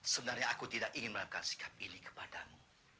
sebenarnya aku tidak ingin melakukan sikap ini kepadamu